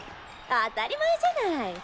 当たり前じゃない。